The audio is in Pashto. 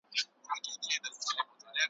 هره چیغه یې رسېږي له کوډلو تر قصرونو `